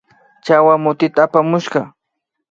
Chawa mutitami apamushka